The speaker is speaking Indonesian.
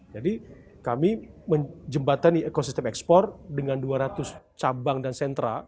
jadi kami menjembatani ekosistem ekspor dengan dua ratus cabang dan sentra